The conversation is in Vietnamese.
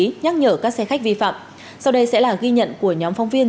nhắc nhở các xe khách vi phạm sau đây sẽ là ghi nhận của nhóm phóng viên